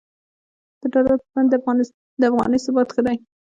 د ډالر پر وړاندې د افغانۍ ثبات ښه دی